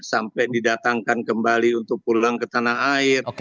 sampai didatangkan kembali untuk pulang ke tanah air